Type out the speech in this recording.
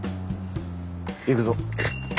行くぞ。